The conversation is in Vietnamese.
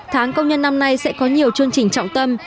tháng công nhân năm nay sẽ có nhiều chương trình trọng tâm